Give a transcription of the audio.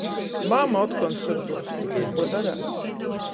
Mama otkon syrduos, tik nikuo dareit.